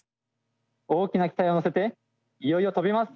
大きな期待を乗せていよいよ飛びます！